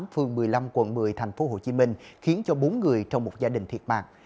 phường một mươi năm quận một mươi tp hcm khiến cho bốn người trong một gia đình thiệt mạng